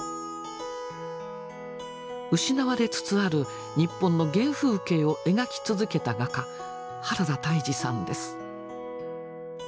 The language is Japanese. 失われつつある日本の原風景を描き続けた画家原田泰治さんです。